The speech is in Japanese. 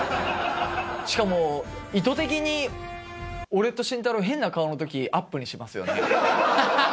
しかも意図的に、俺と慎太郎、変な顔のとき、アップにしますよね。